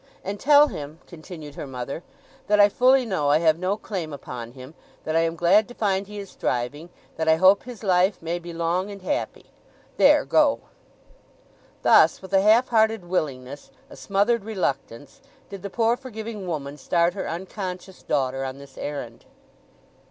"And tell him," continued her mother, "that I fully know I have no claim upon him—that I am glad to find he is thriving; that I hope his life may be long and happy—there, go." Thus with a half hearted willingness, a smothered reluctance, did the poor forgiving woman start her unconscious daughter on this errand.